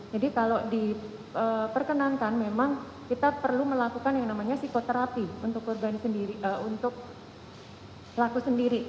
jadi kalau diperkenankan memang kita perlu melakukan yang namanya psikoterapi untuk laku sendiri